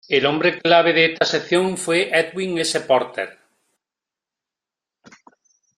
El hombre clave de esta sección fue Edwin S. Porter.